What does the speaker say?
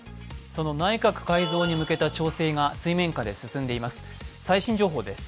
その内閣改造に向けた調整が水面下で進んでいます。